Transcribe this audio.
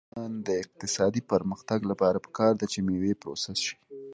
د افغانستان د اقتصادي پرمختګ لپاره پکار ده چې مېوې پروسس شي.